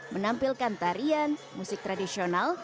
menampilkan tarian musik tradisional